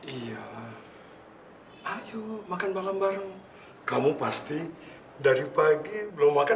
iya ayo makan malam bareng kamu pasti dari pagi belum makan